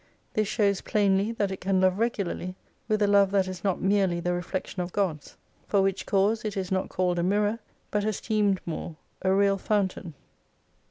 This shows plainly that it can love regularly, with a love that is not merely the reflection of God's. For which cause it is not called a mirror, but esteemed more, a real fountain.